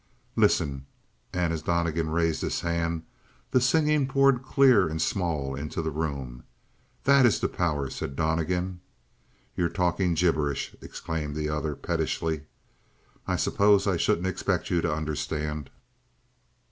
"Listen!" And as Donnegan raised his hand, the singing poured clear and small into the room. "That is the power," said Donnegan. "You're talking gibberish'" exclaimed the other pettishly. "I suppose I shouldn't expect you to understand."